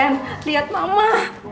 ren lihat mama